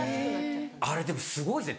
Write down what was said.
あれでもすごいですね